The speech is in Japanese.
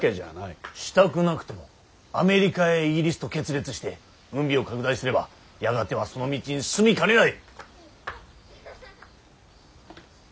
したくなくてもアメリカイギリスと決裂して軍備を拡大すればやがてはその道に進みかねない！